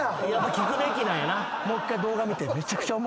聴くべきなんやな。